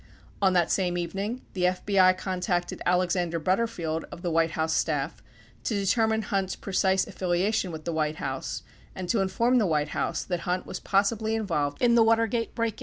On that same evening, the FBI contacted Alex ander Butterfield of the White House staff to determine Hunt's precise affiliation with the White House and to inform the White House that Hunt was possibly involved in the Watergate break in.